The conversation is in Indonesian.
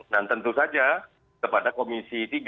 dan tentu saja kepada komisi tiga